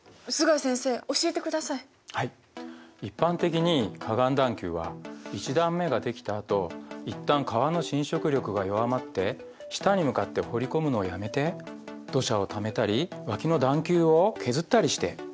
一般的に河岸段丘は一段目ができたあと一旦川の侵食力が弱まって下に向かって掘り込むのをやめて土砂をためたり脇の段丘を削ったりして谷の幅を広げます。